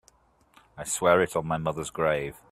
I swear it on my mother's grave.